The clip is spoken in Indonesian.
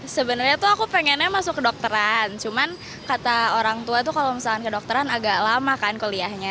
sebenarnya tuh aku pengennya masuk kedokteran cuman kata orang tua tuh kalau misalkan kedokteran agak lama kan kuliahnya